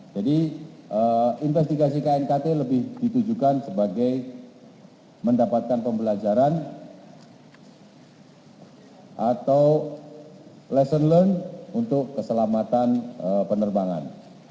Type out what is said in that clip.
jadi investigasi knkt lebih ditujukan sebagai mendapatkan pembelajaran atau lesson learned untuk keselamatan penerbangan